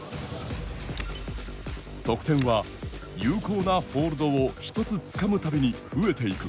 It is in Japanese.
得点は有効なホールドを１つつかむたびに増えていく。